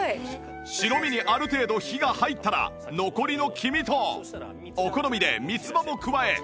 白身にある程度火が入ったら残りの黄身とお好みで三つ葉を加え最後に